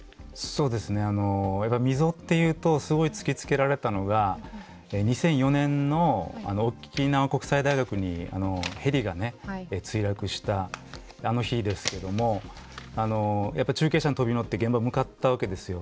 そうですねあの溝っていうとすごい突きつけられたのが２００４年の沖縄国際大学にヘリが墜落したあの日ですけども中継車に飛び乗って現場向かったわけですよ。